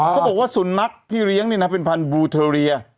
เขาบอกว่าสุนัขที่เลี้ยงเนี่ยนะเป็นพันธุ์บลูเทอเรีย